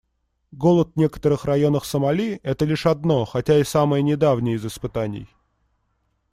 Голод в некоторых районах Сомали — это лишь одно, хотя и самое недавнее из испытаний.